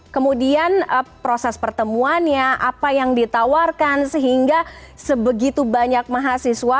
kemudian proses pertemuannya apa yang ditawarkan sehingga sebegitu banyak mahasiswa